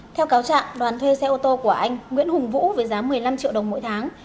theo cáo trạng đoàn thuê xe ô tô của anh nguyễn hùng vũ với giá một mươi năm triệu đồng mỗi tháng